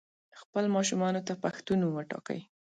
خپل ماشومانو ته پښتو نوم وټاکئ